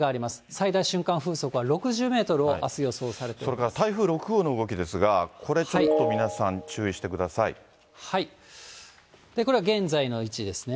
最大瞬間風速は６０メートルをあす、それから台風６号の動きですが、これ、ちょっと皆さん、これが現在の位置ですね。